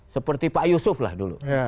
seperti pak yusuf lah dulu